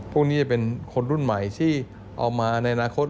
พวกนี้จะเป็นคนรุ่นใหม่ที่เอามาในอนาคต